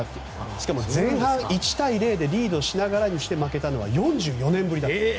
しかも前半１対０でリードしながらにして負けたのは４４年ぶりだって。